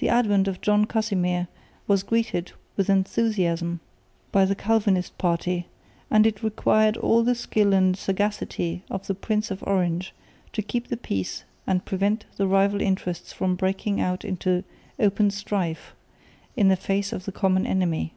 The advent of John Casimir was greeted with enthusiasm by the Calvinist party; and it required all the skill and sagacity of the Prince of Orange to keep the peace and prevent the rival interests from breaking out into open strife in the face of the common enemy.